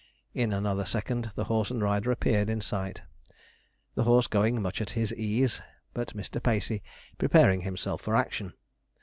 In another second the horse and rider appeared in sight the horse going much at his ease, but Mr. Pacey preparing himself for action.